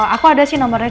aku ada sih nomornya